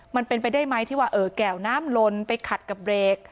มันเป็นไปได้ไหมที่ว่าแก่วน้ำลนไปขัดกับเบรก